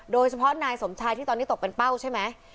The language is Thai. โดยเฉพาะนายสมชายที่ตอนนี้ตกเป็นเป้าใช่ไหม